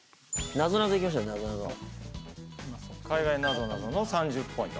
なぞなぞ海外なぞなぞの３０ポイント